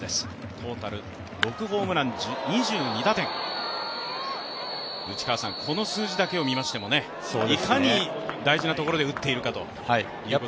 トータル６ホームラン２２打点、この数字だけを見ましても、いかに大事なところで打っているかということになります。